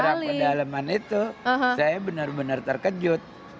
orang pedaleman itu saya benar benar terkejut